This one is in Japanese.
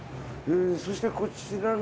そしてこちらの。